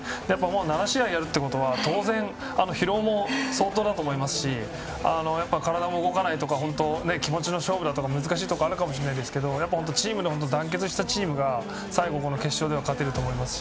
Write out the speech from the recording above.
７試合やるっていうことは当然、疲労も相当だと思いますし体も動かないとか気持ちの勝負だとか難しいところはあるかもしれないんですがチームとして団結したチームが最後、決勝では勝てると思いますし